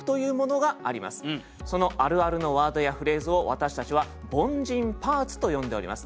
そのあるあるのワードやフレーズを私たちは「凡人パーツ」と呼んでおります。